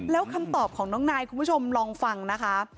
แล้วคำตอบของน้องนายคุณผู้ชมลองฟังนะคะ